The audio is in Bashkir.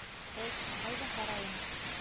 Әйт, ҡайҙа һарайың?